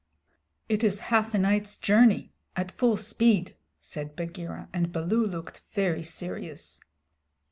"It is half a night's journey at full speed," said Bagheera, and Baloo looked very serious.